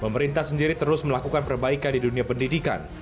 pemerintah sendiri terus melakukan perbaikan di dunia pendidikan